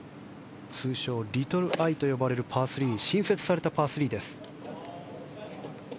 通称リトルアイと呼ばれる新設されたパー３です。